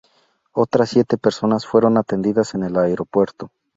Otras siete personas fueron atendidas en el aeropuerto.